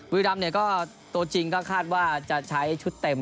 ดำเนี่ยก็ตัวจริงก็คาดว่าจะใช้ชุดเต็ม